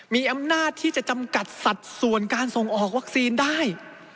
มีอำนาจที่จะจำกัดสัดส่วนการส่งออกวัคซีนได้